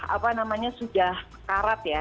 apa namanya sudah karat ya